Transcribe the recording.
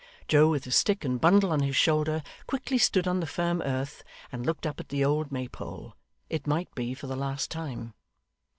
Joe, with his stick and bundle on his shoulder, quickly stood on the firm earth, and looked up at the old Maypole, it might be for the last time.